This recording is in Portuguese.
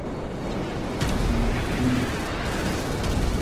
Piratuba